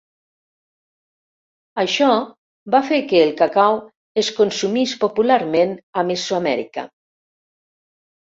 Això va fer que el cacau es consumís popularment a Mesoamèrica.